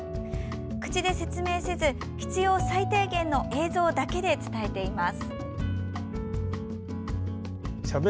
口で説明せず必要最低限の映像だけで伝えています。